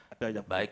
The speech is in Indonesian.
ada yang baik